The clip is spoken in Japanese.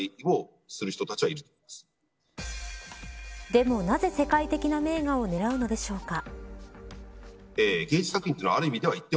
でも、なぜ世界的な名画を狙うのでしょうか。